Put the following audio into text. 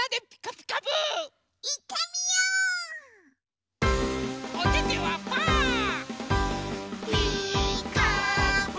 「ピーカーブ！」